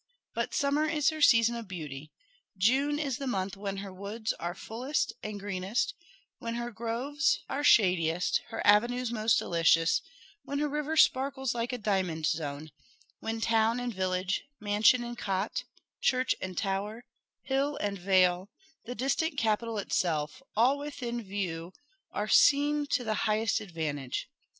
But summer is her season of beauty June is the month when her woods are fullest and greenest; when her groves are shadiest; her avenues most delicious; when her river sparkles like a diamond zone; when town and village, mansion and cot, church and tower, hill and vale, the distant capital itself all within view are seen to the highest advantage.